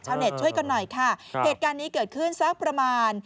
ช่วยกันหน่อยค่ะเหตุการณ์นี้เกิดขึ้นสักประมาณ